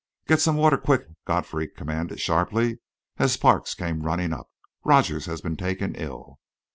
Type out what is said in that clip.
"Get some water, quick!" Godfrey commanded sharply, as Parks came running up. "Rogers has been taken ill."